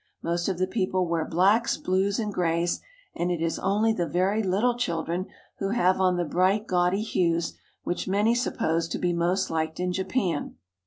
Most of the people wear blacks, blues, and grays, and it is only the very little children who have on the bright, gaudy hues which many suppose to be most liked in Japan.